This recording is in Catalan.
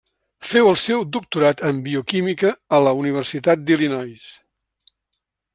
Féu el seu doctorat en Bioquímica a la Universitat d'Illinois.